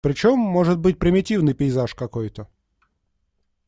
Причем, может быть примитивный пейзаж какой-то.